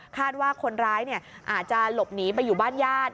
คาดว่าคนร้ายอาจจะหลบหนีไปอยู่บ้านญาติ